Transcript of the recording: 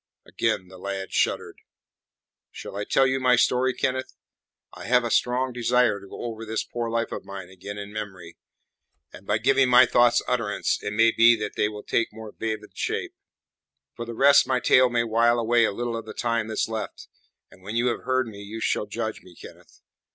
Again the lad shuddered. "Shall I tell you my story, Kenneth? I have a strong desire to go over this poor life of mine again in memory, and by giving my thoughts utterance it may be that they will take more vivid shape. For the rest my tale may wile away a little of the time that's left, and when you have heard me you shall judge me, Kenneth.